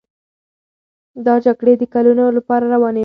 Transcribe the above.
دا جګړې د کلونو لپاره روانې وې.